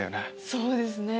そうですね。